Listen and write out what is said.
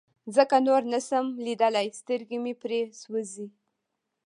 ځکه نور نشم ليدلى سترګې مې پرې سوزي.